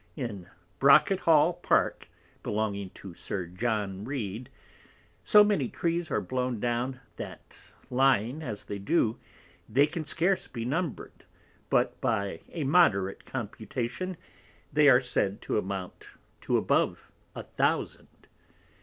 In Brocket hall Park belonging to Sir John Reade, so many Trees are blown down, that lying as they do, they can scarce be numbred, but by a moderate Computation, they are said to amount to above a Thousand.